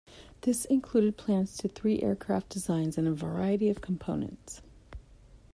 This included plans to three aircraft designs and a variety of components.